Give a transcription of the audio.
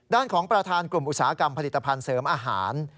ของประธานกลุ่มอุตสาหกรรมผลิตภัณฑ์เสริมอาหาร